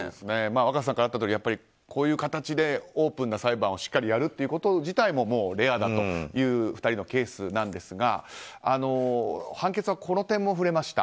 若狭さんからあったとおりこういう形でオープンな裁判をしっかりやること自体もレアだという２人のケースですが判決はこの点も触れました。